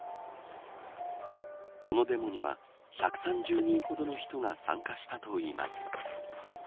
このデモには１３０人ほどの人が参加したといいます。